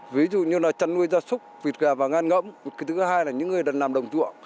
ví dụ như là chăn nuôi ra súc vịt gà vào ngăn ngẫm thứ hai là những người làm đồng dụa